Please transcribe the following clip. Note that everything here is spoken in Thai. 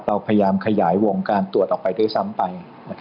เราพยายามขยายวงการตรวจออกไปด้วยซ้ำไป